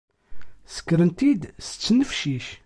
Ssekkren-t-id s ttnefcic.